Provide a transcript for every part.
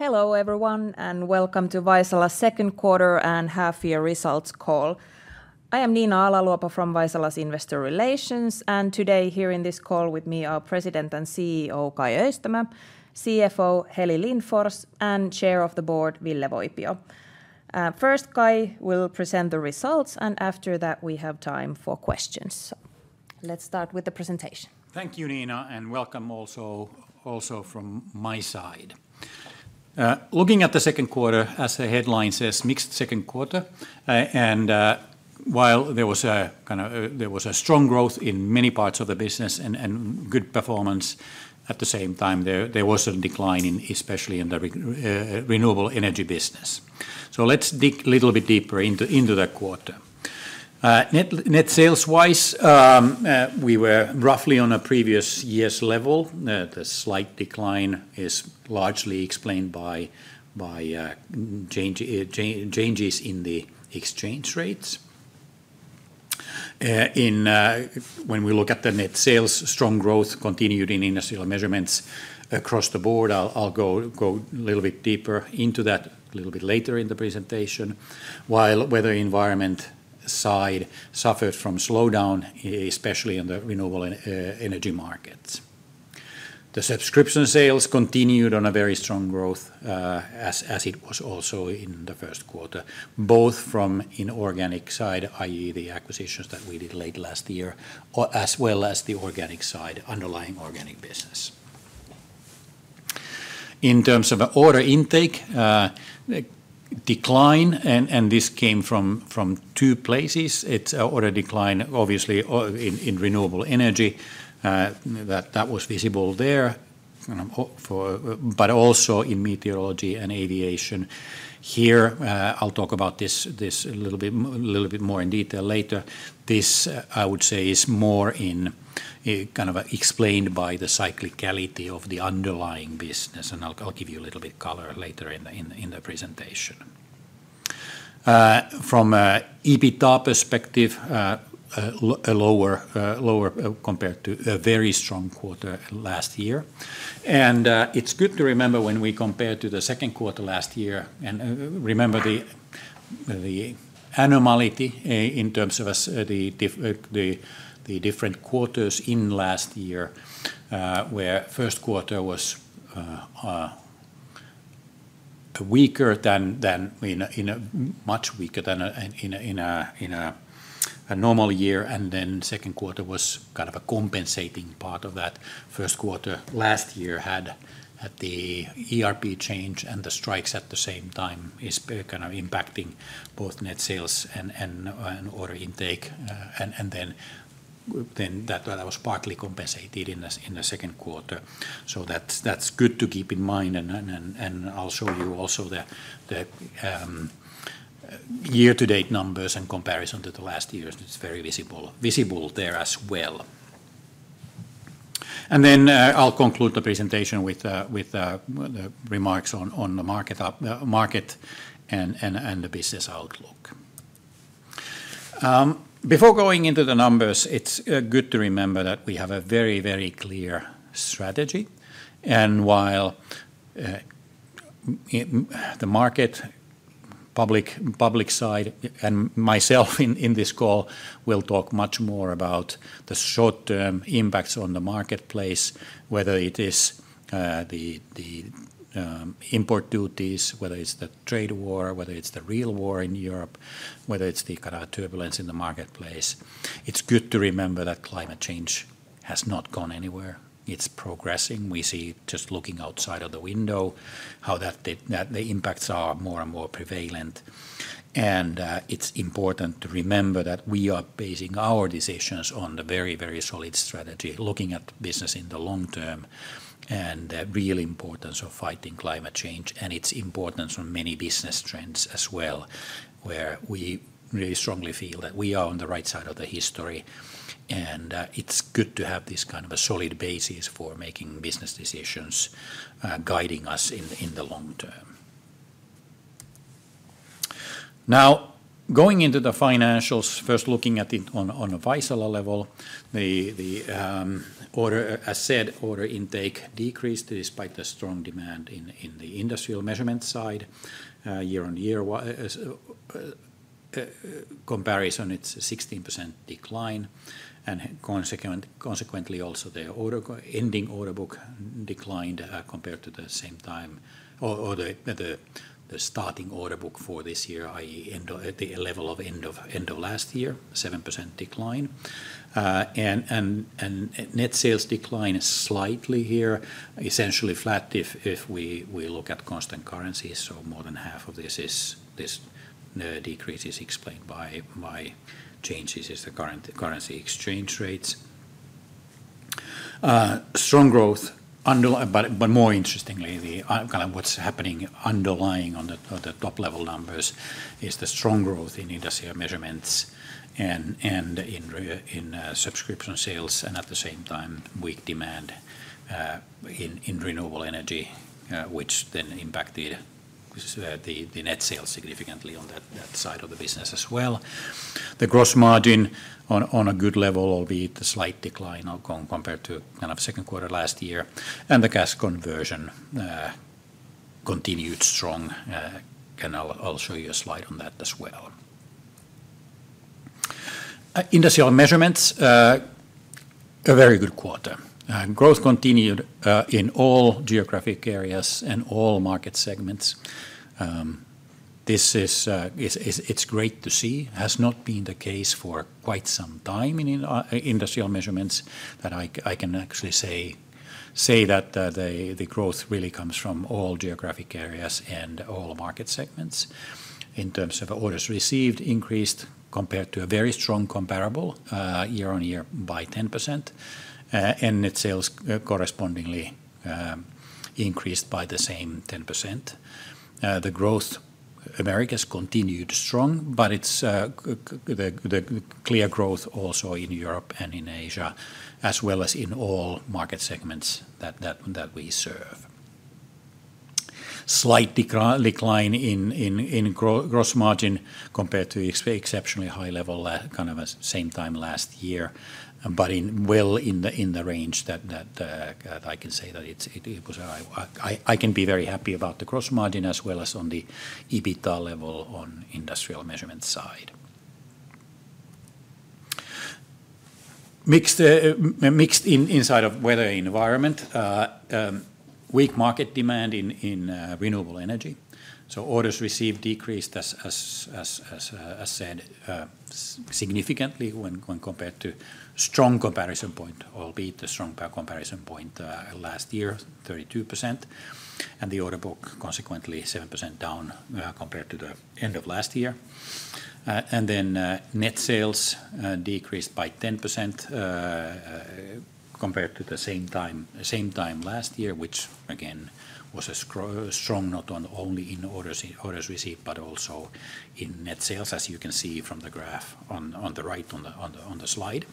Hello everyone and welcome to Vaisala's second quarter and half year results call. I am Niina Ala-Luopa from Vaisala's Investor Relations, and today here in this call with me are President and CEO Kai Öistämö, CFO Heli Lindfors, and Chair of the Board Ville Voipio. First, Kai will present the results and after that we have time for questions. Let's start with the presentation. Thank you Niina and welcome. Also from my side, looking at the. Second quarter, as the headline says, mixed second quarter. While there was a strong growth in many parts of the business and good performance, at the same time there was a decline, especially in the renewable energy business. Let's dig a little bit deeper into that quarter. Net sales wise, we were roughly on a previous year's level. The slight decline is largely explained by. changes in the exchange rates. When we look at the net sales, strong growth continued in industrial measurements across the board. I'll go a little bit deeper into it. That a little bit later in the presentation. While weather environment side suffered from slowdown, especially in the renewable energy markets, the subscription sales continued on a very strong growth, as it was also in the first quarter, both from inorganic side. It's the acquisitions that we did late last year as well as the organic side, underlying organic business. In terms of order intake decline, this came from two places. It's order decline obviously in renewable energy that was visible there, but also in meteorology and aviation here. I'll talk about this a little bit. More in detail later. This, I would say, is more in. kind of explained by the cyclicality of the underlying business. I'll give you a little bit of color later in the presentation. From an. EBITDA perspective. Lower compared to a very. Strong quarter last year. It's good to remember when we compared to the second quarter last year and remember the anomaly in terms of the different quarters in last year where first quarter was much weaker than in a normal year. The second quarter was kind of a compensating part of that. The first quarter last year had the ERP change and the strikes at the same time, impacting both net sales and order intake. That was partly compensated in the second quarter. That's good to keep in mind. I'll show you also the. Year. To date, numbers and comparison to the last years, it's very visible there as well. I'll conclude the presentation with the remarks on the market and the. Business outlook. Before going into the numbers, it's good to remember that we have. A very, very clear strategy. While. The market, public side, and myself in this call will talk much more about the short-term impacts on the marketplace, whether it is the import. Duties, whether it's the trade war, whether it's the real war in Europe, whether it's the kind of turbulence in the marketplace, it's good to remember that climate change has not gone anywhere. It's progressing. We see just looking outside of the window how the impacts are more and more prevalent. It's important to remember that we are basing our decisions on a very, very solid strategy looking at business in the long term and the real importance of fighting climate change and its importance on many business trends as well, where we really strongly feel that we are on the right side of the history. It's good to have this kind of a solid basis for making business decisions guiding us in the long term. Now going into the financials, first looking at it on a Vaisala level. As said, order intake decreased despite the strong demand in the industrial measurement side this year. On year. Comparison, it's a 16% decline, and consequently, also the ending order book declined compared to the same time, or the starting order book for this year that is at the level of end of last year, 7% decline. And net. Sales decline is slightly here, essentially flat if we look at constant currencies. More than half of this decrease is explained by changes in the current currency exchange rates. Strong. Growth, but more interestingly, what's happening underlying on the top-level numbers is the strong growth in industrial measurements and in subscription sales, and at the same time weak demand in renewable energy, which then impacted the net sales significantly on that side of the business as well. The gross margin on a good level. Albeit a slight decline compared to the second quarter last year, the gas conversion continued strong. I'll show you a slide on that as well. Industrial measurements, a very good quarter, growth continued in all geographic areas and all market segments. It's great to see has not been the case for quite some time in industrial measurements that I can. I say that the growth really comes. From all geographic areas and all market segments, in terms of orders received, increased compared to a very strong comparable year on year by 10%, and net sales correspondingly increased by the same 10%. The growth in Americas continued strong. It's the clear growth also in. Europe and in Asia as well as in all market segments that we serve. Slight decline in gross margin compared to. Exceptionally high level, kind of same time last year, but in the range that I can say that I can be very happy about the gross margin as well as on the EBITDA level on industrial measurement side. Mixed inside of weather environment, weak market demand in renewable energy. Orders received decreased, as said, significantly when compared to a strong comparison point, albeit the strong comparison point last year, 32%, and the order book, consequently, 7% down compared to the end of last year. Net sales decreased by 10% compared to the same time last year, which again was strong not only in orders received, but also in net sales. As you can see from the graph on the right on the slide.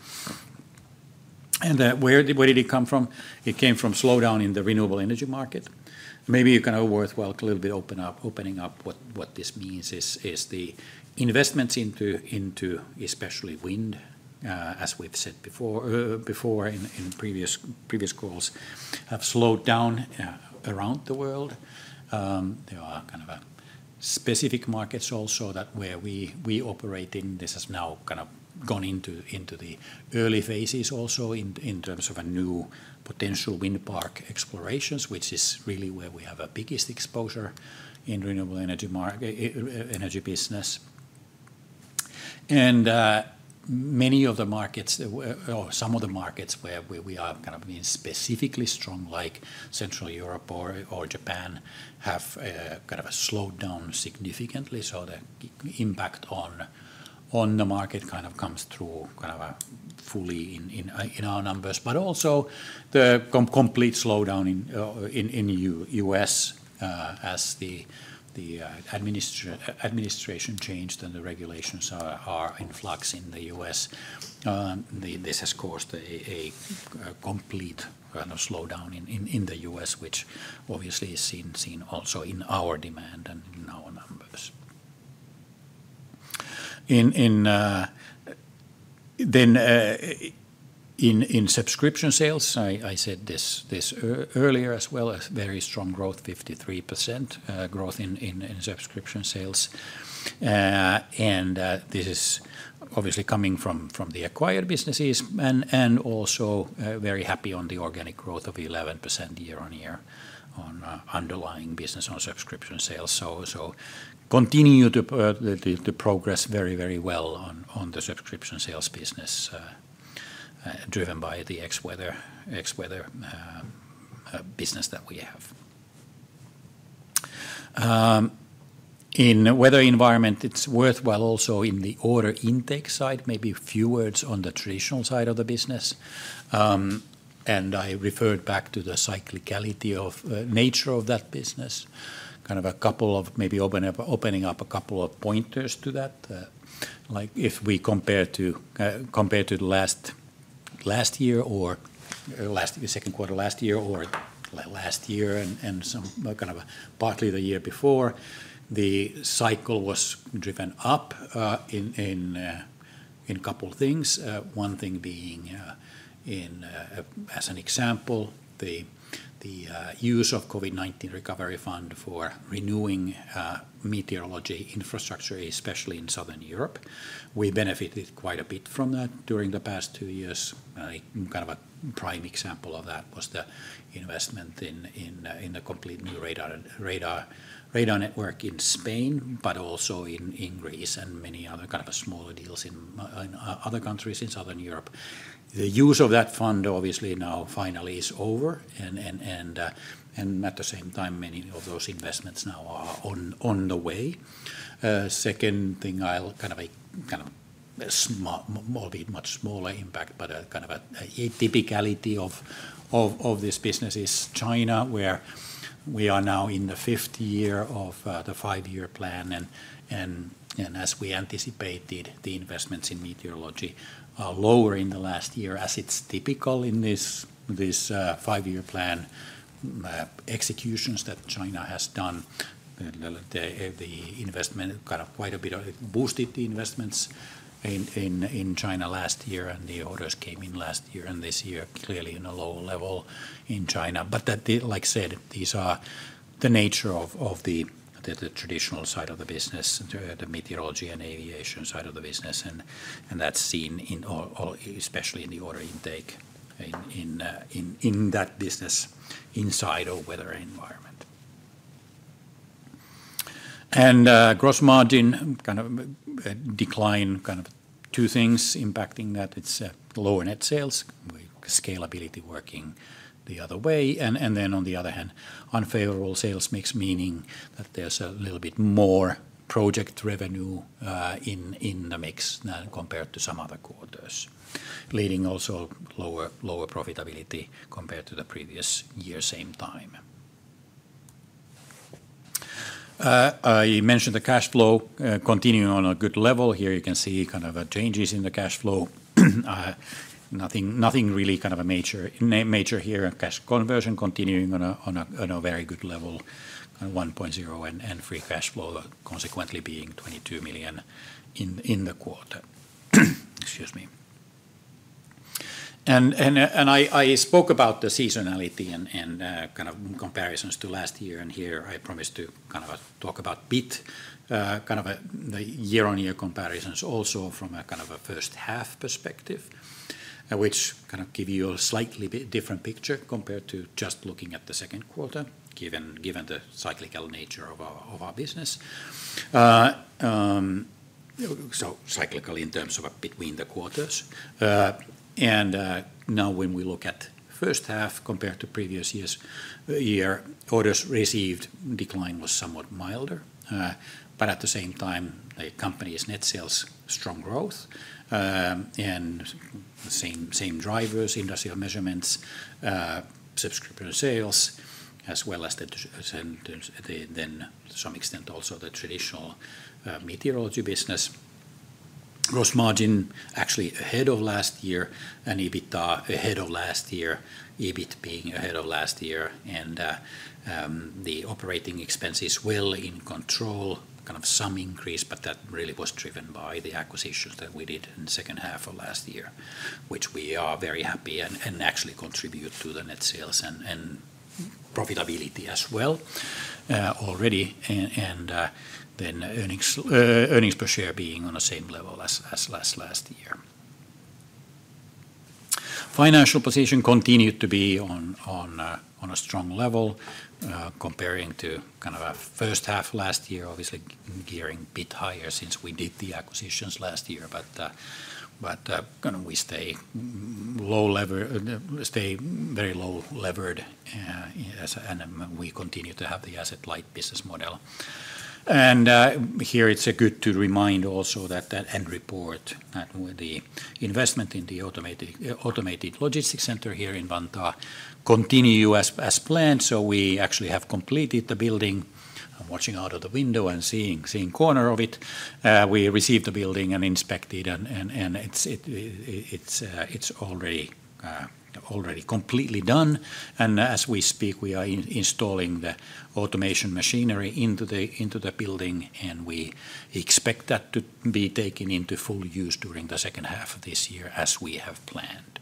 Where did it come from? It came from slowdown in the renewable energy market. Maybe kind of worthwhile a little bit opening up. What this means is the investments into especially wind, as we've said before in previous calls, have slowed down around the world. There are kind of specific markets also. That where we operate in, this has. Now gone into the early. Phases also in terms of a new. Potential wind park explorations, which is really where we have the biggest exposure in. Renewable energy market, energy business. Many of the markets, or some. The markets where we are going to be specifically strong, like Central Europe or Japan, have kind of slowed down significantly. The impact on the market kind of comes through fully in. Our numbers, but also the complete slowdown in the U.S. as the. Administration changed, and the regulations are in flux in the U.S. This has caused a complete slowdown in the U.S., which obviously is seen also in our demand and in our numbers. Subscription sales. I said this earlier as well, a very strong growth, 53% growth in subscription sales. This is obviously coming from the acquired businesses and also very happy on the organic growth of 11% year on year on underlying business on subscription sales. Continuing to progress very, very well. On the subscription sales business driven by the ex-WeatherDesk business that we have. In weather environment. It's worthwhile also on the order intake side, maybe a few words on the traditional side of the business. I referred back to the cyclicality. Of nature of that business. A couple of maybe opening. Up a couple of pointers to that. If we compare to. Last year or second quarter last year or last year and some. Partly the year before, the cycle was driven up in a couple things. One thing being as an example the use of COVID-19 recovery funds for renewing meteorology infrastructure, especially in Southern Europe. We benefited quite a bit from that. During the past two years, a prime example of that was the investment in a completely new radar network in Spain, but also in Greece and many other smaller deals in other countries in Southern Europe. The use of that fund obviously now finally is over. At the same time, many of those investments now are on the way. Second thing, I'll ignore a much smaller impact, but an atypicality of this business is China. Where we are now in the fifth. Year of the five-year plan, and as we anticipated, the investments in meteorology are lower in the last year as. It's typical in this five-year plan. Executions that China has done, the investment got quite a bit of. It boosted the investments in China last. Year and the orders came in last year and this year clearly in a low level in China. Like I said, these are the nature of the traditional side of the business, the meteorology and aviation side of the business. That's seen especially in the order intake in that business inside a weather environment. Gross margin kind of decline. Two things impacting that: it's lower net sales with scalability working. Other way, and then on the other. Had unfavorable sales mix, meaning that there's a little bit more project revenue in the mix compared to some other quarters, leading also to lower profitability compared to the previous year at the same time. I mentioned the cash flow continuing on a good level. Here you can see kind of changes in the cash flow. Nothing really kind of a major here. Cash conversion continuing on a very good level at 1.0, and free cash flow consequently being 22 million in the quarter. Excuse me. I spoke about the seasonality. Comparisons to last year. I promise to talk a bit about the year-on-year comparisons, also from a first. Half perspective, which kind of gives you. A slightly different picture compared to just looking at the second quarter, given the cyclical nature of our business, cyclical in terms of between the. Quarters, and now when we look at. First half compared to previous year's year orders received decline was somewhat milder. At the same time the company's net sales strong growth and the same drivers industrial measurements, subscription sales as well as then to some extent also the traditional meteorology business gross margin actually ahead of last year and EBITDA ahead of last year. EBIT being ahead of last year and the operating expenses well in control, kind of some increase. That really was driven by the acquisitions that we did in the second half of last year which we are very happy and actually contribute to the net sales and profitability as well already. Earnings per share being on the same level as last year. Financial position continued to be on a strong level comparing to kind of a first half last year. Obviously gearing bit higher since we did the acquisitions last year. We stay very low levered and we continue to have the asset-light business model. It's good to remind also. That end report with the investment in the automated logistics center here in Banta continues as planned. We actually have completed the building. Watching out of the window and seeing corner of it. We received the building and inspected it. It's already completely done. As we speak, we are installing. The automation machinery into the building, and we expect that to be taken into full use during the second half of this year as we have planned.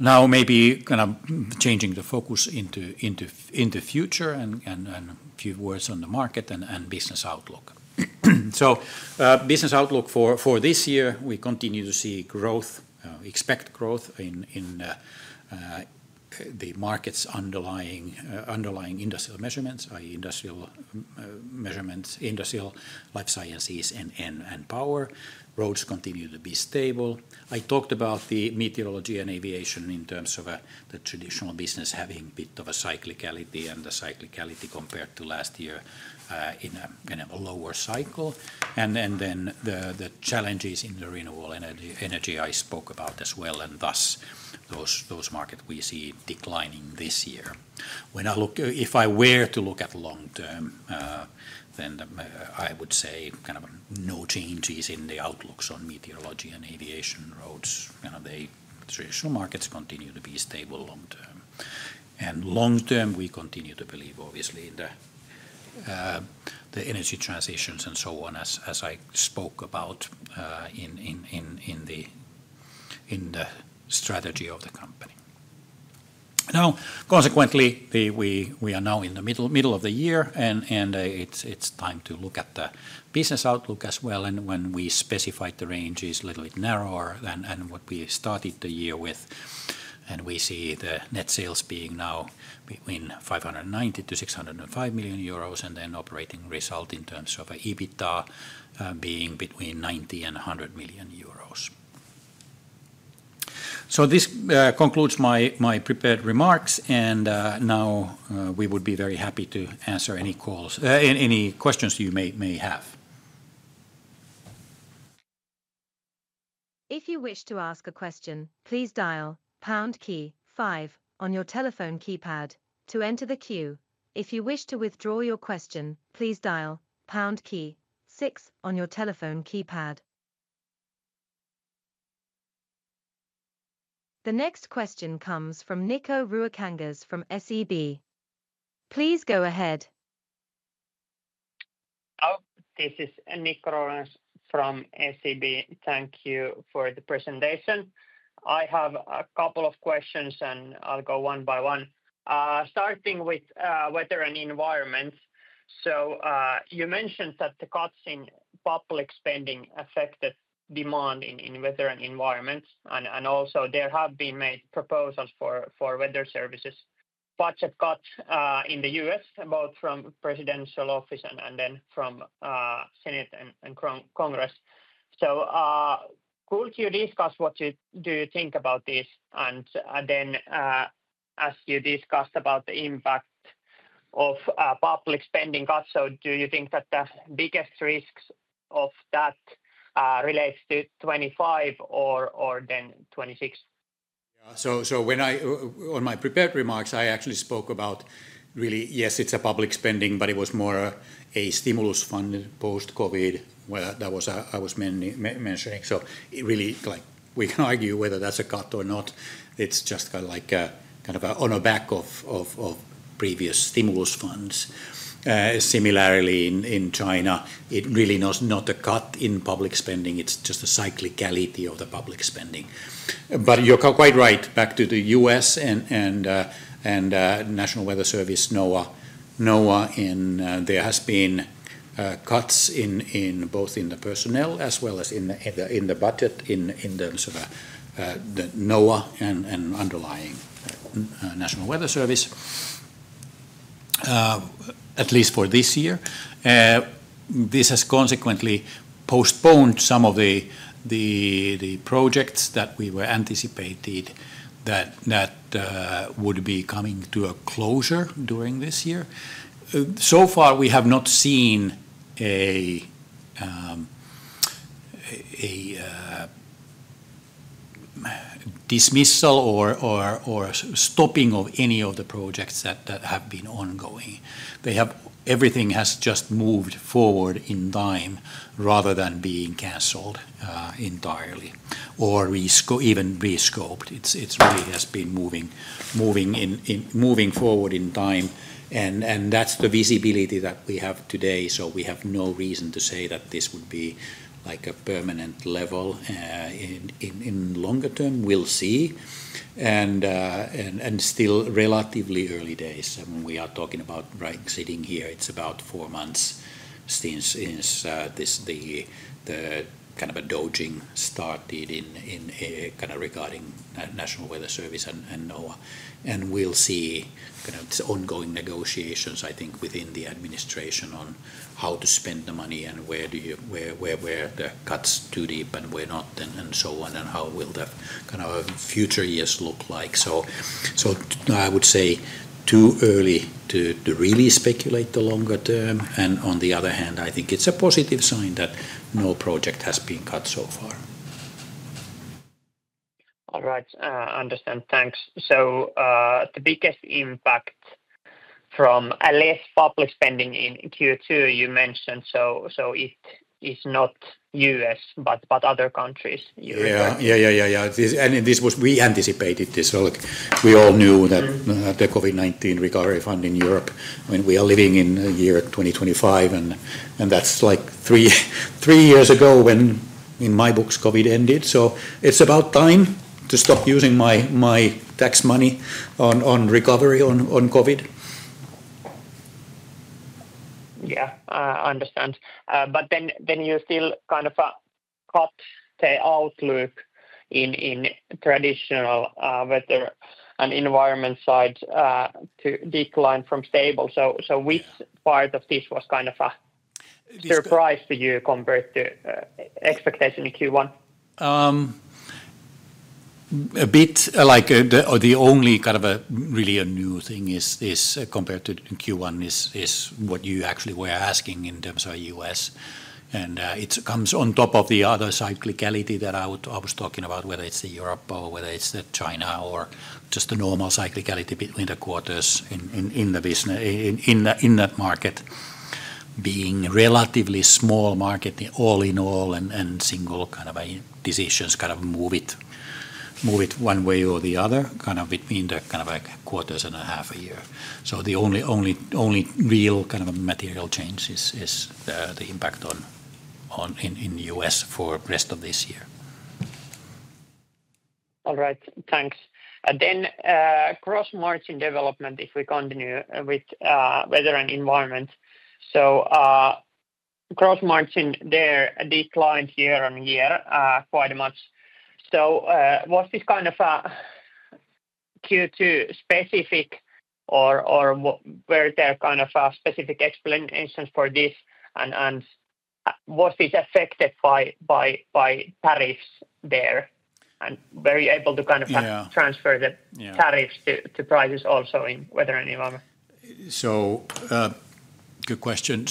Now maybe kind of changing the focus. Future and few words on the market and business outlook. The business outlook for this year, we. Continue to see growth, expect growth in the market's underlying industrial measurements, i.e., industrial measurements, industrial life sciences, and power roads continue to be stable. I talked about the meteorology and aviation. In terms of the traditional business having bit of a cyclicality, and the cyclicality compared to last year in a kind of a lower cycle, the challenges in the renewable energy I spoke about as well. Thus, those markets we see declining this year. If I were to look at long. I would say kind of no changes in the outlooks on meteorology and aviation roads. The traditional markets continue to be stable long term, and long term we continue to believe obviously in the energy transitions and so on as I spoke about in the. Strategy of the company. Now consequently, we are now in the middle of the. Year and it's time to look at the business outlook as well. When we specified, the range is a little bit narrower than what we started the year with. We see the net sales being now between 590 million- 605 million euros. The operating result in terms of EBITDA is between 90 million and 100 million euros. This concludes my prepared remarks. We would be very happy to answer any calls, any questions you may have. If you wish to ask a question, please dial on your telephone keypad to enter the queue. If you wish to withdraw your question, please dial six on your telephone keypad. The next question comes from Nico Ruakangas from SEB. Please go ahead. This is Nick Rollans from SEB. Thank you for the presentation. I have a couple of questions and I'll go one by one, starting with Weather and Environment. You mentioned that the cuts in public spending affected demand in Weather and Environment. There have also been proposals for weather services budget cuts in the U.S., both from the presidential office and then from Senate and Congress. Could you discuss what you think about this? As you discussed the impact of public spending, do you think that the biggest risks of that relate to 2025 or 2026? In my prepared remarks I actually spoke about really yes, it's a public spending, but it was more a stimulus fund post COVID-19 where that was I was mentioning. We can argue whether that's a cut or not. It's just like kind of on a. Back of previous stimulus funds. Similarly, in China, it really not a cut in public spending. It's just a cyclicality of the public spending. You're quite right. Back to the U.S. and National Weather Service NOAA, there have been cuts both in the personnel as well as in the budget. In terms of the NOAA and underlying. National Weather Service at least for this year. This has consequently postponed some of the projects that we anticipated would be coming to a closure during this year. So far we have not seen. A. Dismissal or stopping of any of the. Projects that have been ongoing. Everything has just moved forward in time. Rather than being canceled entirely or even re-scoped. It's really just been moving forward in time, and that's the visibility that we have today. We have no reason to say that this would be like a permanent level. In longer term we'll see. And still. Relatively early days we are talking about right sitting here. It's about four months since the kind of a dialog started regarding National Weather Service and NOAA. We'll see ongoing negotiation I think within the administration on how to spend the money and where the cuts are too deep and where not, and how the future years look like. I would say too early to really speculate the longer term. On the other hand, I think it's a positive sign that no project has been cut so far. All right, understand, thanks. The biggest impact from less public spending in Q2 you mentioned. It is not U.S., but other countries. We anticipated this. We all knew that the COVID-19 recovery fund in Europe, when we are living in the year 2025, and that's like three years ago when in my books COVID ended. It's about time to stop using my tax money on recovery on COVID. Yeah, I understand. You still kind of cut the outlook in traditional weather and environment side to decline from stable. Which part of this was kind of a surprise to you compared to expectation in Q1? Really a new thing is this compared to Q1 is what you actually were. Asking in terms of U.S. It comes on top of the. Other cyclicality that I was talking about, whether it's Europe or whether it's China, or just the normal cyclicality between the quarters in that market being. Relatively small market all in all. Single kind of decisions kind of move. It is one way or the other kind. Between the kind of like quarters and a half a year. The only real kind of material. Change is the impact in U.S. for rest of this year. All right, thanks. Cross margin development, if we continue with Weather and Environment. Gross margin there declined year on year quite much. Was this kind of a Q2 specific, or were there specific explanations for this, and was this affected by tariffs there? Were you able to transfer the tariffs to prices also in Weather and Environment? Good question.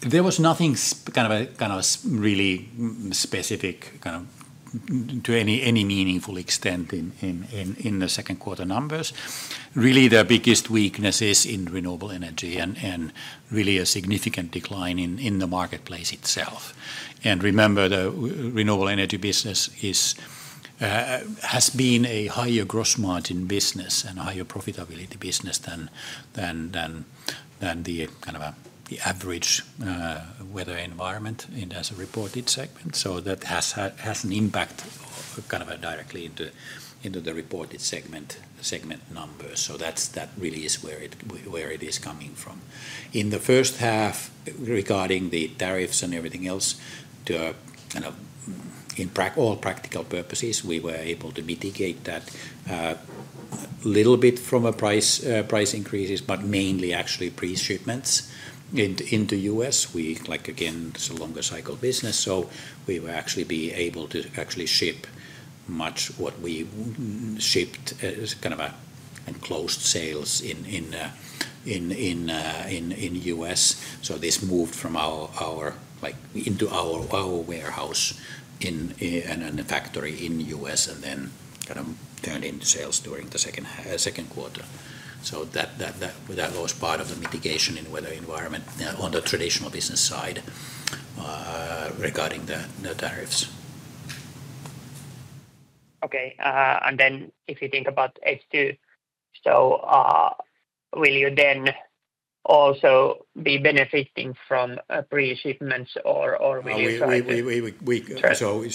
There was nothing really specific to any meaningful extent in the second quarter numbers. Really, the biggest weakness is in renewable energy and a significant decline in the marketplace itself. Remember the renewable energy business. Has been a higher gross margin business and a higher profitability business than the kind of the average weather environment as a reported segment. That has an impact directly into the reported segment number. That really is where it is coming from in the first half. Regarding the tariffs and everything else, in all practical purposes we were able to mitigate that a little bit from price increases. Mainly actually pre-shipments in the. U.S., we like again, it's a longer cycle business. We will actually be able to ship much of what we shipped as kind of enclosed sales in the U.S. This moved into our warehouse and the factory in the U.S. and then turned into sales during the second quarter. That was part of the mitigation in weather environment on the traditional business side regarding the tariffs. Okay. If you think about H2, will you then also be benefiting from pre-shipments?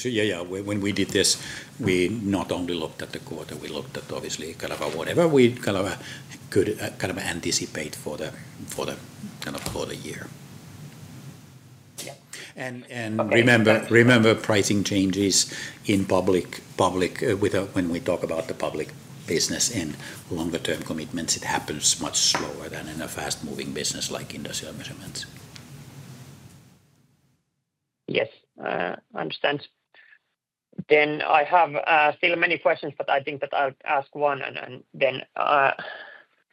Yeah, when we did this, we not. We looked at the quarter, we looked at obviously kind of whatever we could anticipate for the year. Yeah. Remember pricing changes in public. When we talk about the public business and longer-term commitments, it happens much slower than in a fast-moving business like industrial measurements. Yes. I understand I have still many questions, but I think that I'll ask one and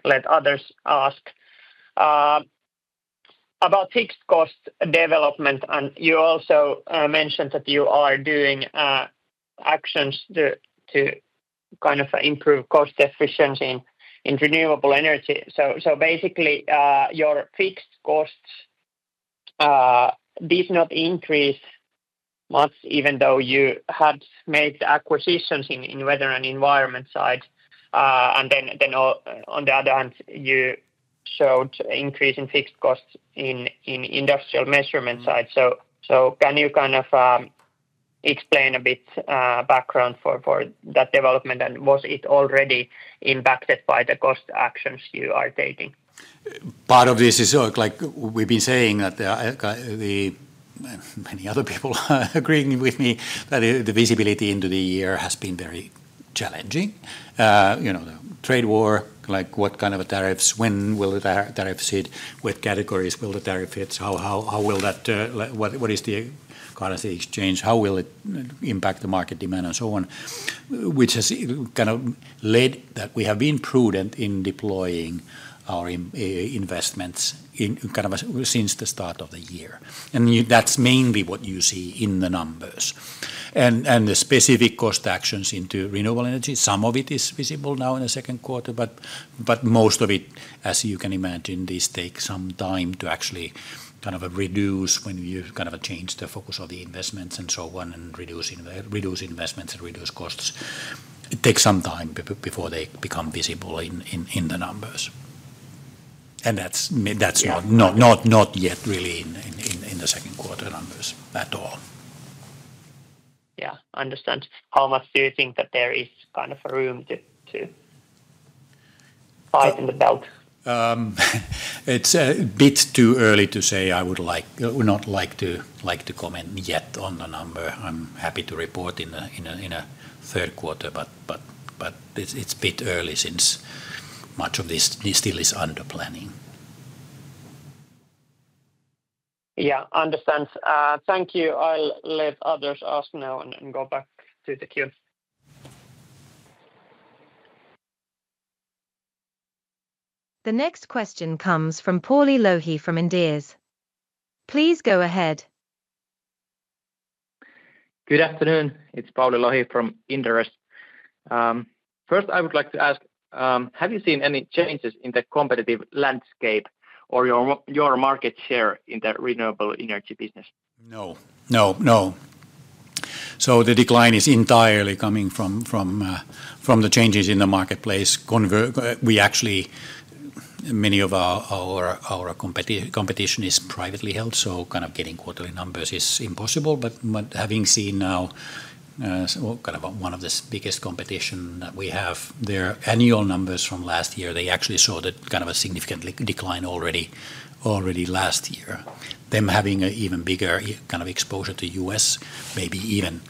let others ask about fixed cost development. You also mentioned that you are doing actions to kind of improve cost efficiency in renewable energy. Basically, your fixed costs did not increase much even though you had made acquisitions in weather and environment side. On the other hand, you showed increase in fixed costs in industrial measurement side. Can you kind of explain a bit background for that development, and was it already impacted by the cost actions you are taking? This is like we've been saying that many other people agreeing with me that the visibility into the year has been very challenging. You know, the trade war, like what kind of tariffs, when will the tariffs sit, what categories will the tariff hit, what is the quality exchange, how will it impact the market demand and so on, which has kind of led that we have been prudent in deploying our. Investments since the start of the year. That's mainly what you see in the numbers and the specific cost actions into renewable energy. Some of it is visible now. The second quarter, most of it, as you can imagine, this takes some. When you kind of change the focus of the investments and so on and reduce investments and reduce costs, it takes some time before they become visible in the numbers. That's not yet really in the. Second quarter numbers at all. Yeah. How much do you think that there is kind of a room to tighten the belt? It's a bit too early to say. I would not like to comment yet on the number. I'm happy to report in a third quarter, but it's a bit early since much of this still is under planning. Yeah, understand. Thank you. I'll let others ask now and go back to the queue. The next question comes from Pauli Lohi from Inderes. Please go ahead. Good afternoon, it's Paul from Indarest. First, I would like to ask, have you seen any changes in the competitive landscape or your market share in the renewable energy business? No, no. The decline is entirely coming from the changes in the marketplace. Actually, many of our competition is. Privately held, so kind of getting quarterly numbers is impossible. But having. One of the biggest competition that we have, their annual numbers from last year, they actually saw a significant decline already last year. Them having an even bigger kind of impact. Exposure to U.S., maybe even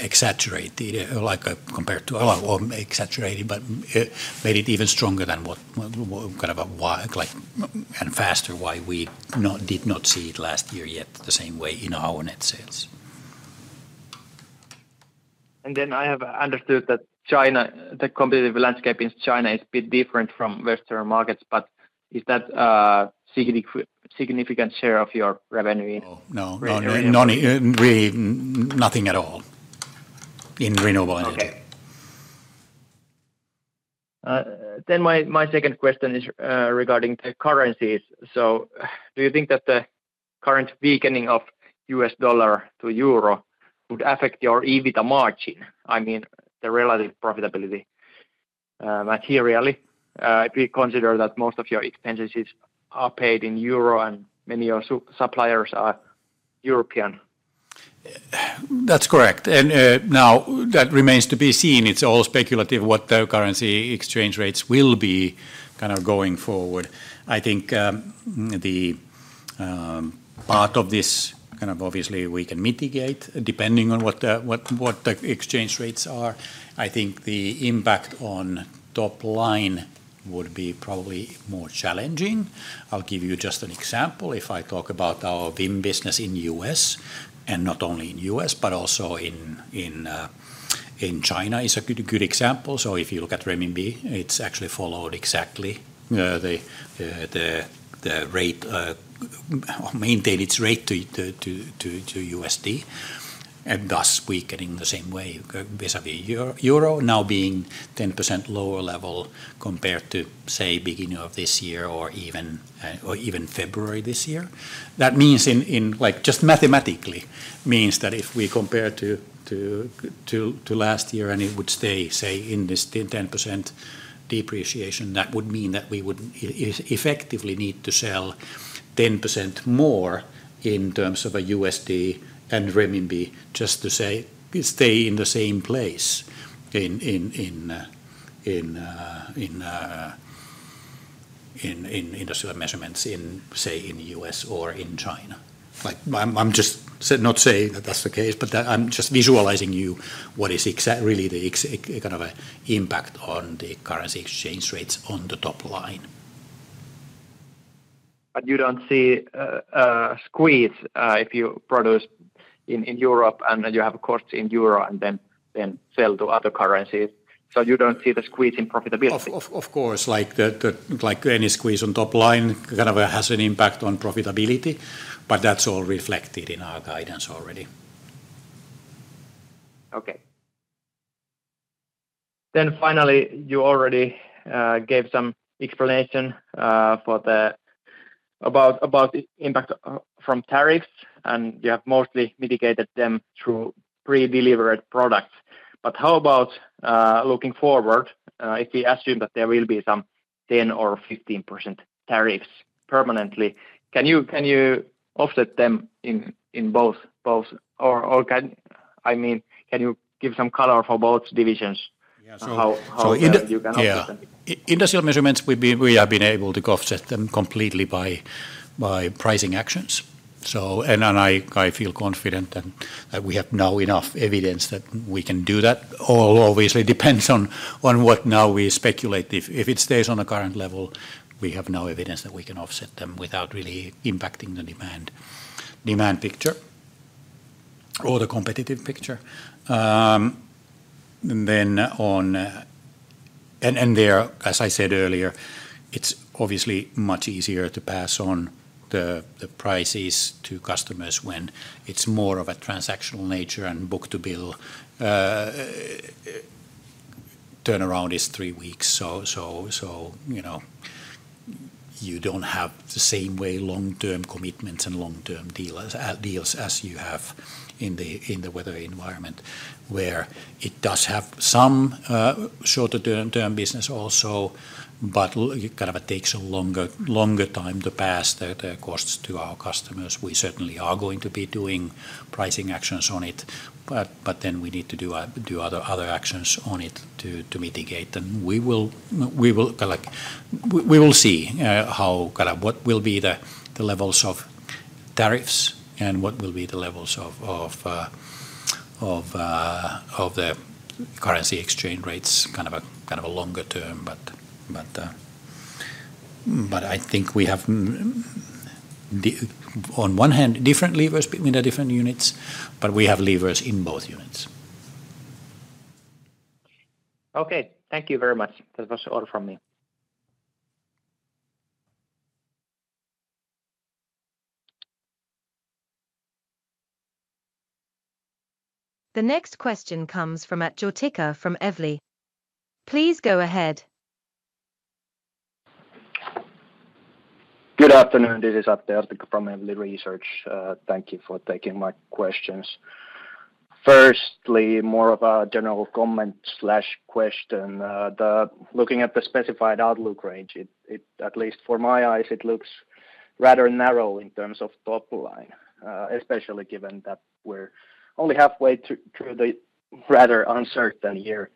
exaggerated like compared to. Or exaggerated, but made it even stronger. What kind of a faster, why we did not see it last year yet the same way in our net sale. I have understood that China, the competitive landscape in China is a bit different from Western markets. Is that a significant share of your... Revenue, No, really nothing at all in renewable energy. My second question is regarding currencies. Do you think that the current weakening of the U.S. dollar to Euro would affect your EBITDA margin? I mean the relative profitability materially, if you consider that most of your expenses are paid in Euro and many of your suppliers are European. That's correct. That remains to be seen. It's all speculative what their currency exchange rates will be going forward. I think the part of this, obviously, we can mitigate depending on what the exchange rates are. I think the impact on top line would be probably more challenging. I'll give you just an example. If I talk about our VIM business. In the U.S. and not only in the U.S. but also. In China, it's a good example. If you look at renminbi, it's. Actually followed exactly the rate, maintain its rate to USD, and thus weakening the same way vis-à-vis euro, now being 10% lower level compared to, say, beginning of this year or even February this year. That means just mathematically that if we compare to last year and it would stay, say, in this 10% depreciation, that would mean that we would effectively need to sell 10% more in terms of a USD and renminbi just to stay in the same place. In industrial measurements, in say in the U.S. or in China. I'm not saying that that's the case, but I'm just visualizing you what is really the kind of impact on. The currency exchange rates on the top line. You don't see squeeze if you produce in Europe and you have costs in euro and then sell to other currencies. You don't see the squeeze in profitability. Of course, like any squeeze on top line, kind of has an impact on profitability, but that's all reflected in our guidance already. Okay. You already gave some. Explanation. About impact from tariffs, and you have mostly mitigated them through pre-delivered products. How about looking forward? If we assume that there will be some 10% or 15% tariffs permanently, can you offset them in both? I mean, can you give some color for both divisions. Industrial measurements? We have been able to offset them completely by pricing actions, and I feel confident that we have now enough evidence that we can do that. Obviously, depends on what now we speculate if it stays on a current level. We have no evidence that we can offset them without really impacting the demand. Demand picking picture or the competitive picture. As I said earlier, it's obviously much easier to pass on the. Prices to customers when it's more of a transactional nature, and book to bill. Turnaround is three weeks. You don't have the same way long term commitments and long term deals as you have in the weather environment. Where it does have some shorter term business also, it takes a longer, longer time to pass the. Costs to our customers. We certainly are going to be doing pricing actions on it, but we need to do other actions on it to mitigate. We will see what. What will be the levels of tariffs and what will be the levels of the currency exchange rates? Kind of a longer term. I think we have. On one hand, different levers in the different units. We have levers in both units. Okay, thank you very much. That was order from me. The next question comes from Jortikka from Evli. Please go ahead. Good afternoon. This is Atte from Enveli Research. Thank you for taking my questions. Firstly, more of a general comment question. Looking at the specified outlook range, at least for my eyes it looks rather narrow in terms of top line, especially given that we're only halfway through the rather uncertain year.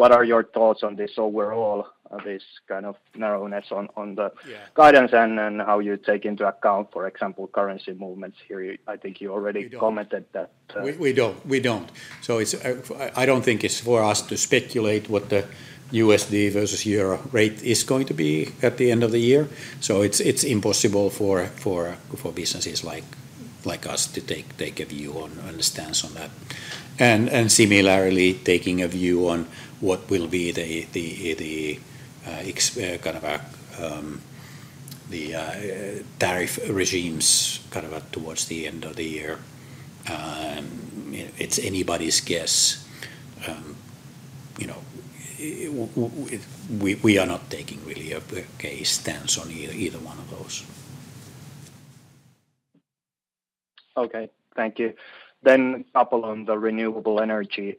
What are your thoughts on this overall, this kind of narrowness on the guidance and how you take into account for example currency movements here? I think you already commented that We don't. I don't think it's for us to speculate what the USD versus Euro rate is going to be at the end of the year. It's impossible for businesses like us to take a view and a stance. On that and similarly taking a view. On what will be the kind of the tariff regimes towards the end of the year, it's anybody's guess. We are not taking really a case stance on either one of those. Okay, thank you. A couple on the renewable energy,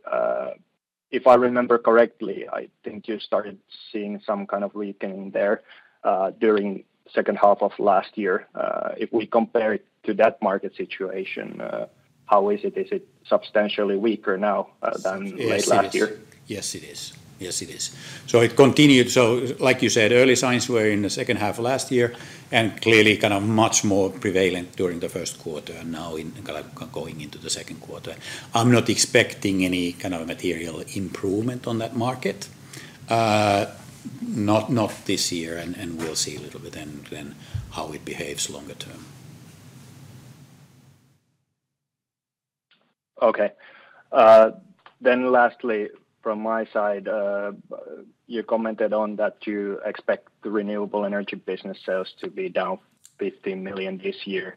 if I remember correctly, I think you started seeing some kind of weakening there during the second half of last year. If we compare it to that market situation, how is it, is it substantially weaker now than late last year? Yes, it is. Yes, it is. It continued, like you said, early signs were in the second half last year and clearly kind of much more prevalent during. The first quarter and now going into the second quarter, I'm not expecting any. Kind of material improvement on that market, not this year. We'll see a little bit then how it behaves longer term. Okay. Lastly, from my side, you commented that you expect the renewable energy business sales to be down 15 million this year.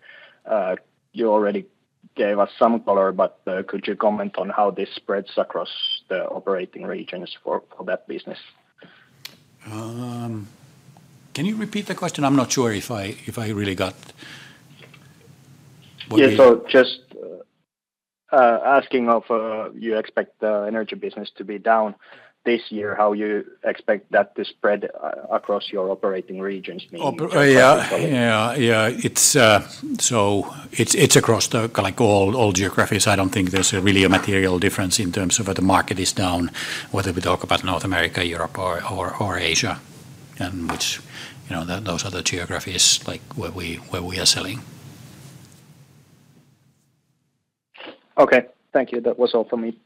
You already gave us some color, but could you comment on how this spreads across the operating regions for that business? Can you repeat the question? I'm not sure if I really got it. Yeah. Do you expect the energy business to be down this year, and how do you expect that to spread across your operating regions? Yeah, yeah, yeah. It's across like all geographies. I don't think there's really a material difference in terms of what the market. Is down, whether we talk about North America, Europe, or Asia, and those other geographies like where we are selling. Okay, thank you. That was all for me.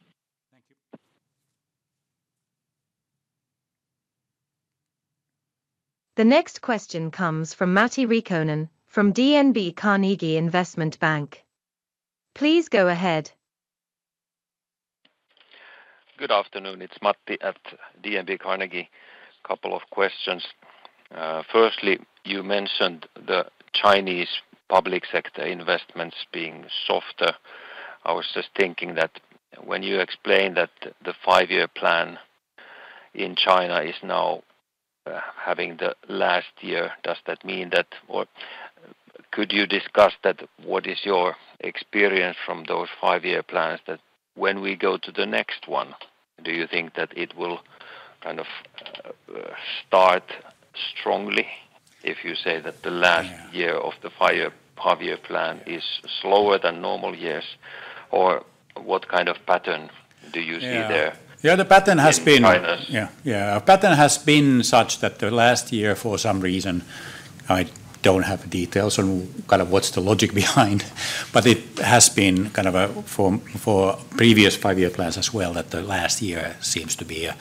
The next question comes from Matti Riikonen from DNB Carnegie Investment Bank. Please go ahead. Good afternoon, it's Matti at DNB Carnegie. Couple of questions. Firstly, you mentioned the Chinese public sector investments being softer. I was just thinking that when you explained that the five-year plan in China is now having the last year, does that mean that or could you discuss that? What is your experience from those five-year plans? When we go to the next one, do you think that it will kind of start strongly if you say that the last year of the five-year plan is slower than normal years, or what kind of pattern do you see there? The pattern has been such that the last year, for some reason I don't have details on kind of what's the logic behind, but it has been kind of a form for previous five year plans. As well, the last year seems to be a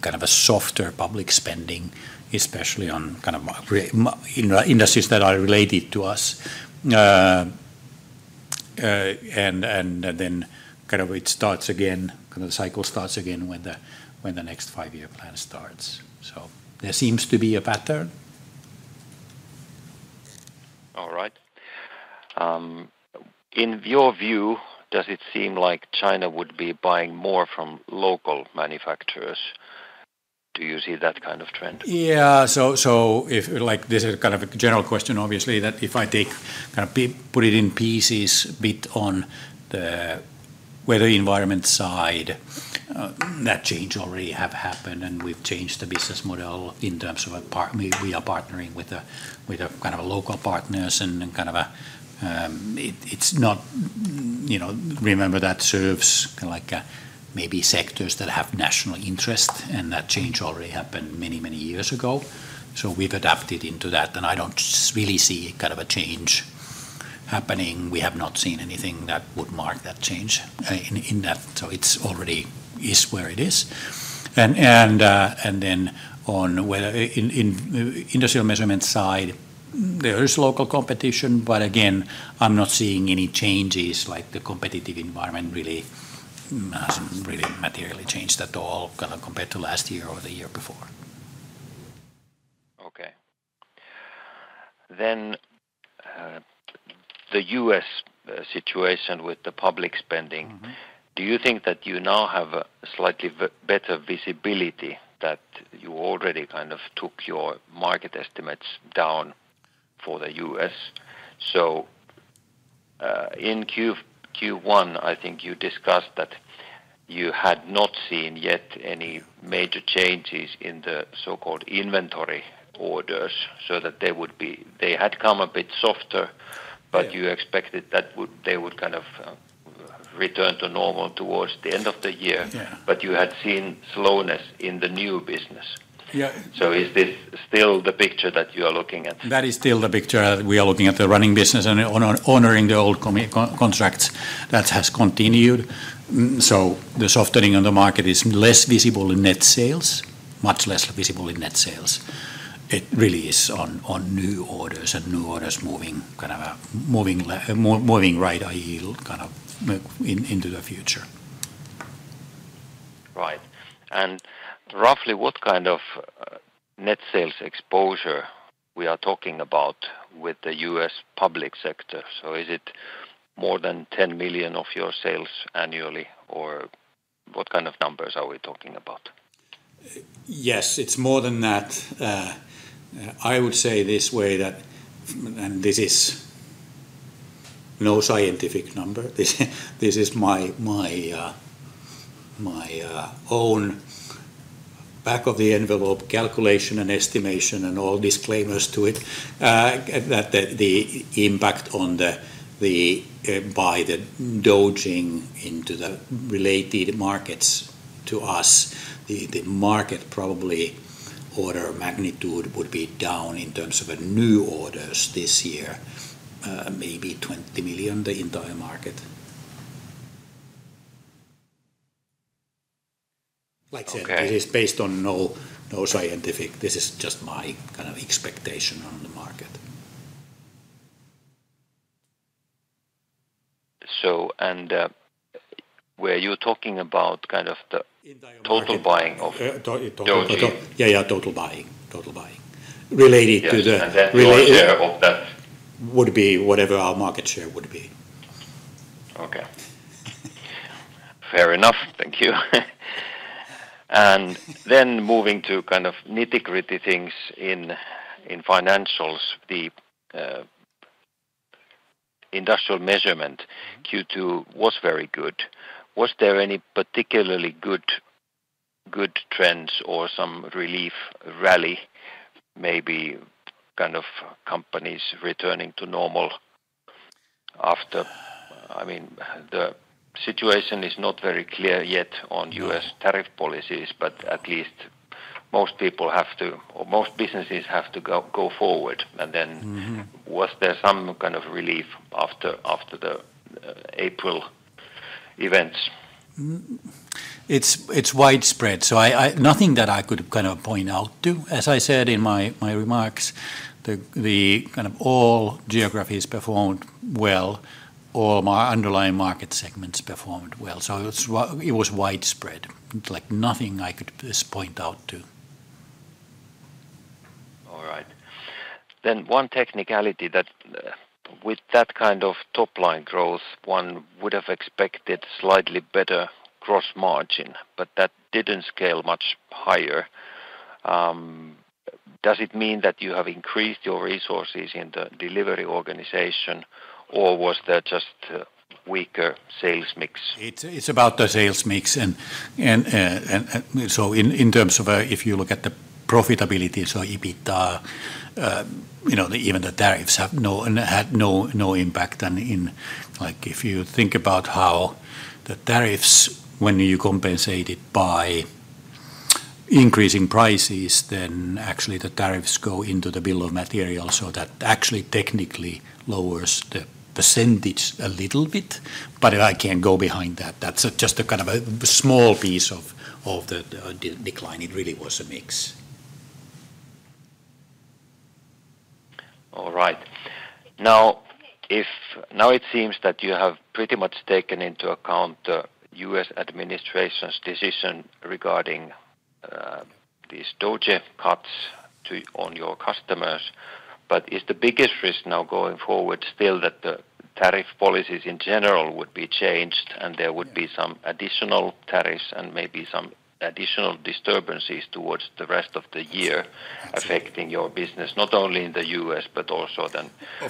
kind of a softer. Public spending, especially on kind of industries that are related to us, starts again. The cycle starts again when. The next five-year plan starts. There seems to be a pattern. All right. In your view, does it seem like China would be buying more from local manufacturers? Do you see that kind of trend? This is kind of a general question. Obviously, if I take kind of put it in pieces, bit on the weather environment side, that change already have. Happened and we've changed the business model in terms of we are partnering with local partners. It's not, you know, remember that serves. Maybe sectors that have national interest and that change already happened many, many years ago. We've adapted into that. I don't really see kind of a change happening. We have not seen anything that would mark that change in that. It already is where it is. Whether in industrial measurement. There is local competition. I'm not seeing any changes. The competitive environment really hasn't materially changed at all compared to last year or the year before. Okay, then the U.S. situation with the public spending. Do you think that you now have slightly better visibility, that you already kind of took your market estimates down for the U.S.? In Q1, I think you discussed that you had not seen yet any major changes in the so-called inventory orders, that they had come a bit softer, but you expected that they would kind of return to normal towards the end of the year. You had seen slowness in the new business. Is this still the picture that you are looking at? That is still the picture. We are looking at the running business and honoring the old contracts that has continued. The softening on the market is less visible in net sales. Much less visible in net sales. It really is on new orders and new orders moving kind of a. Moving right, kind of into the future. Right. Roughly what kind of net sales exposure are we talking about with the U.S. public sector? Is it more than 10 million of your sales annually, or what kind of numbers are we talking about? Yes, it's more than that. I would say this way, that this is no scientific number. This is my own back of the envelope calculation and estimation and all disclaimers to it that the impact on the. By dodging into the related markets to us, the market probably order magnitude would be down in terms of new orders this year, maybe 20 million. The entire market. Like I said, it is based on those scientific. This is just my expectation on the market. Where you're talking about kind of the total buying of. Yeah, total buying related to the, would be whatever our market share would be. Okay, fair enough, thank you. Moving to kind of nitty gritty things in financials. The. Industrial measurement Q2 was very good. Was there any particularly good trends or some relief rally, maybe kind of companies returning to normal after? I mean the situation is not very clear yet on U.S. tariff policies, but at least most people have to, or most businesses have to go forward. Was there some kind of relief after the April events? It's widespread, so nothing that I could. Kind of point out to. As I said in my remarks, all geographies performed well. All underlying market segments performed well. It was widespread, like nothing I could point out to. All right, then one technicality: with that kind of top line growth, one would have expected slightly better gross margin, but that didn't scale much higher. Does it mean that you have increased your resources in the delivery organization, or was there just weaker sales mix? It's about the sales mix. In terms of, if you look at the profitability, so EBITDA, even the tariffs have had no impact. If you think about how the tariffs, when you compensate it by increasing prices, then actually the tariffs go into the bill of material. That actually technically lowers the percentage a little bit. I can go behind that. That's just a kind of a small. Piece of the decline. It really was a mix. All right, now it seems that you have pretty much taken into account U.S. Administration's decision regarding these DOJA cuts on your customers. Is the biggest risk now going forward still that the tariff policies in general would be changed and there would be some additional tariffs and maybe some additional disturbances towards the rest of the year affecting your business, not only in the U.S. but also then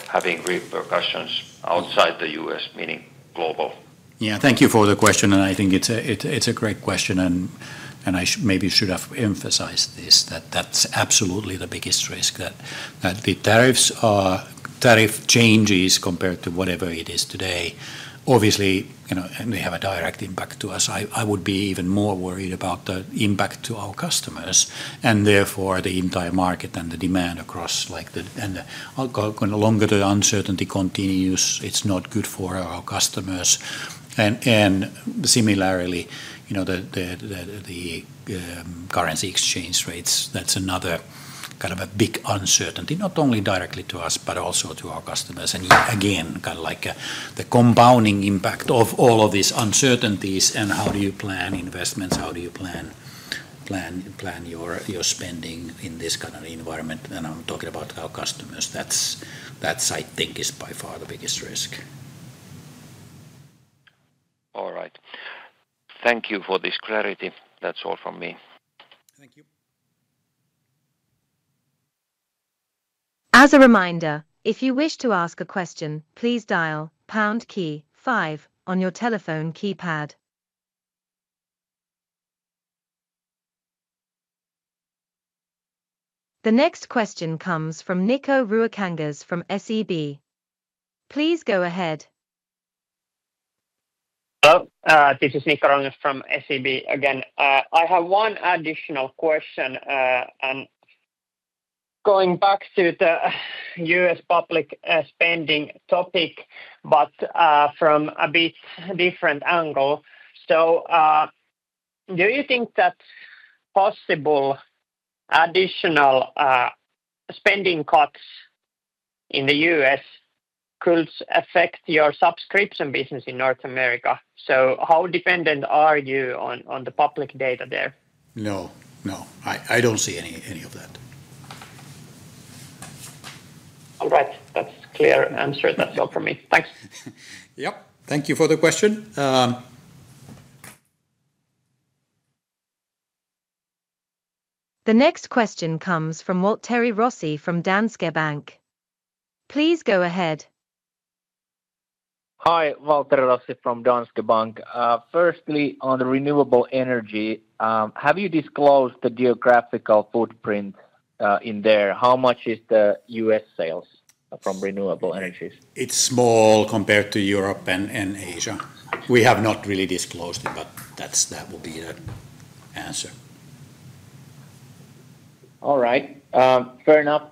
having repercussions outside the U.S., meaning global? Thank you for the question. I think it's a great question. I should have emphasized this, that's absolutely the biggest risk, that the tariff changes compared to whatever it is today. Obviously, they have a direct impact to us. I would be even more worried about the impact to our customers and therefore the entire market. The demand across. Longer the uncertainty. continues, it's not good for our customers. Similarly, the currency exchange rates, that's another kind of a big uncertainty, not only directly to us, but also to our customers. Again, the compounding impact of all of these uncertainties. How do you plan investments, how do you plan your spending in this kind of environment? I'm talking about our customers. That, I think, is by far the biggest risk. All right, thank you for this clarity. That's all from me. Thank you. As a reminder, if you wish to ask a question, please direct dial on your telephone keypad. The next question comes from Nikko Ruokangas from SEB. Please go ahead. Hello, this is Nikko from SEB again. I have one additional question, going back to the U.S. public spending topic from a different angle. Do you think that possible additional spending cuts in the U.S. could affect your subscription business in North America? How dependent are you on the public data there? No, I don't see any of that. All right, that's clear. I'm sure that's all for me, thanks. Thank you for the question. The next question comes from Waltteri Rossi from Danske Bank. Please go ahead. Hi, Waltteri Rossi from Danske Bank. Firstly, on the renewable energy, have you disclosed the geographical footprint in there? How much is the U.S. sales from renewable energies? It's small compared to Europe and Asia. We have not really disclosed it. That will be the answer. All right, fair enough.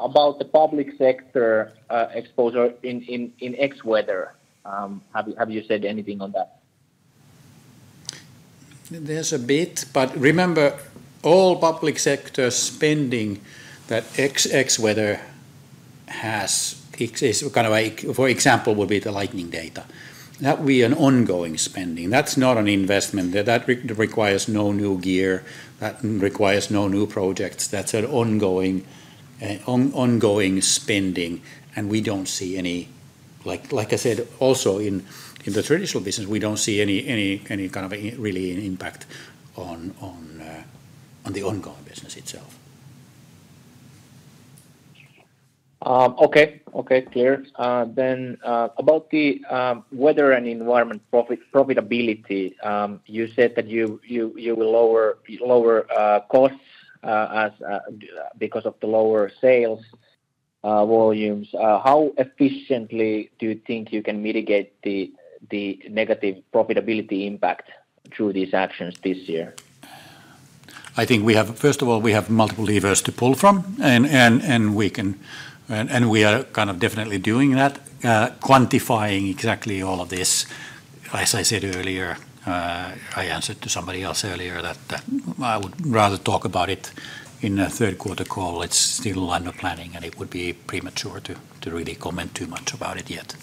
About the public sector exposure in ex-WeatherDesk, have you said anything on that? There's a bit, but remember all public sector spending that Vaisala WeatherDesk has, for example, would be the lightning data. That would be an ongoing spending. That's not an investment. That requires no new gear, that requires no new projects. That's an ongoing spending. We don't see any, like I said also in the traditional business, we don't see any kind of really an. Impact on the ongoing business itself. Okay, clear then about the weather and environment profitability. You said that you will lower costs because of the lower sales volumes. How efficiently do you think you can mitigate the negative profitability impact through these actions this year? I think we have, first of all, we have multiple levers to pull from, and we are definitely doing that, quantifying exactly all of this. As I said earlier, I answered to somebody else earlier that I would rather talk about it in a third quarter call. It's still under planning, and it would be premature to really comment too much about it yet.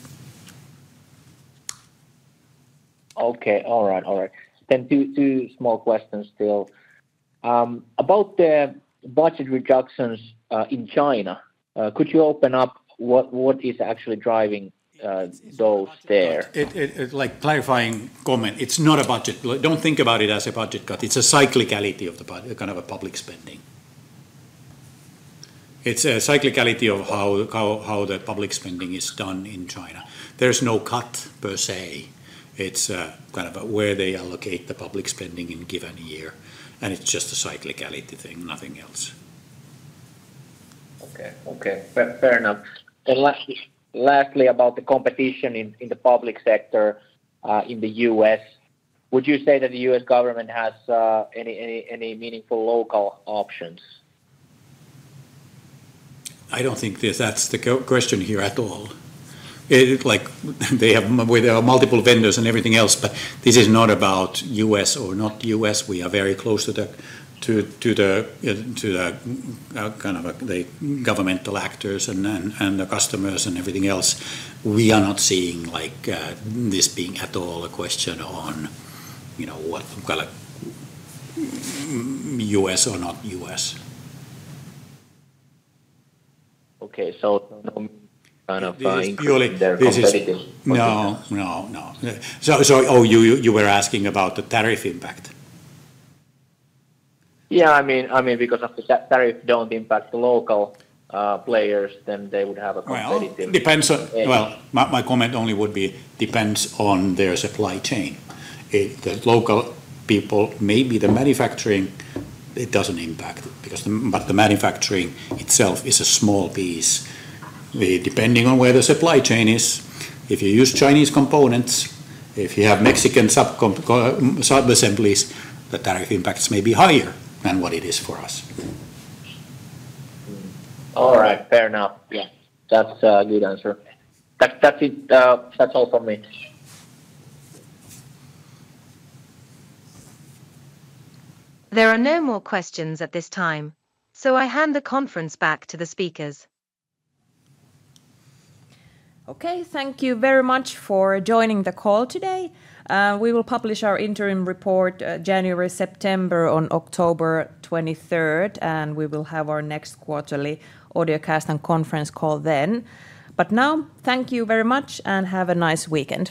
All right. Two small questions still about the budget reductions in China. Could you open up what is actually driving those there, Like clarifying comment. It's not a budget. Don't think about it as a budget cut. It's a cyclicality of the kind. A public sector spending cycle. It's a cyclicality of how the public. Spending is done in China. There's no cut per se. It's kind of where they allocate the. Public spending in a given year, and it's just a cyclicality thing, nothing else. Okay, fair enough. Lastly, about the competition in the public sector in the U.S., would you say that the U.S. government has any meaningful local options? I don't think that's the question here. At all. With multiple vendors and everything else, this is not about us or not us. We are very close to the kind of the governmental actors and the customers and everything else. We are not seeing this being at all a question on what's ongoing. Collect us or not us. Okay, so. You were asking about the tariff impact. I mean because tariff don't impact local players, then they would have a. It depends on their supply chain, the local people, maybe the manufacturing. It doesn't impact because the manufacturing itself is a small piece depending on where the supply chain is. If you use Chinese components, if you have Mexican subassemblies, the direct impacts may be higher than what it is for us. All right, fair enough. Yeah, that's a good answer. That's it. That's all for me. There are no more questions at this time, so I hand the conference back to the speakers. Okay, thank you very much for joining the call today. We will publish our interim report January–September on October 23rd, and we will have our next quarterly audiocast and conference call then. Thank you very much and have a nice weekend.